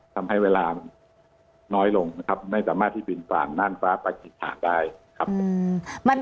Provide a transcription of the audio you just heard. ทำให้เวลาน้อยลงนะครับไม่สามารถที่ปิดฝั่งนานฟ้าปิดผ่านได้ครับ